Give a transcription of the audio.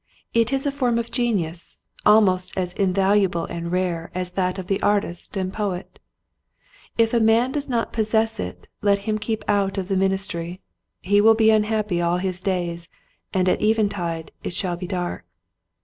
It is a form of genius, almost as invaluable and rare as that of the artist and poet. If a man does not possess it let him keep out of the ministry. He will be unhappy all his days and at even tide it shall be dark.